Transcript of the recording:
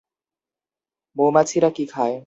মৌমাছিরা কী খায়?